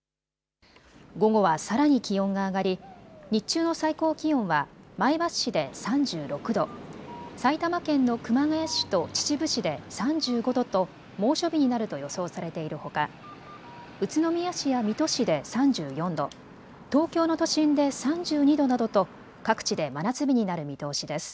午後はさらに気温が上がり、日中の最高気温は前橋市で３６度、埼玉県の熊谷市と秩父市で３５度と猛暑日になると予想されているほか、宇都宮市や水戸市で３４度、東京の都心で３２度などと各地で真夏日になる見通しです。